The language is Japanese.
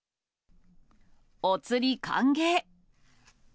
お釣り歓迎！